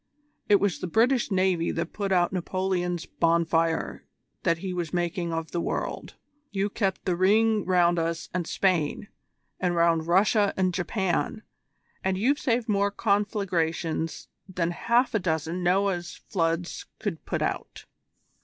It was the British Navy that put out Napoleon's bonfire that he was making of the world: you kept the ring round us and Spain, and round Russia and Japan, and you've saved more conflagrations than half a dozen Noah's floods would put out.